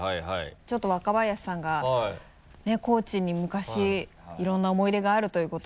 ちょっと若林さんが高知に昔いろんな思い出があるということを。